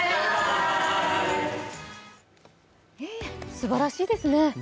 すばらしいですね。